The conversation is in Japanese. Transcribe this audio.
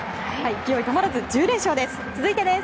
勢い止まらず１０連勝です。